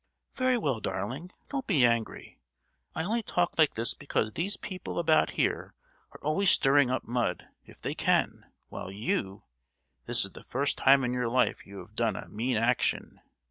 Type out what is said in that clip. "Very well, darling; don't be angry. I only talk like this because these people about here are always stirring up mud, if they can; while you—this is the first time in your life you have done a mean action.